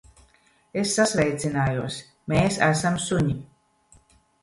Es sasveicinājos. Mēs esam suņi.